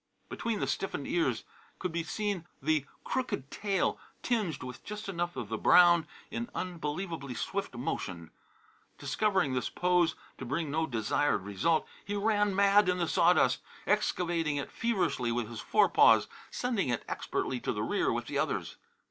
Between the stiffened ears could be seen the crooked tail, tinged with just enough of the brown, in unbelievably swift motion. Discovering this pose to bring no desired result, he ran mad in the sawdust, excavating it feverishly with his forepaws, sending it expertly to the rear with the others.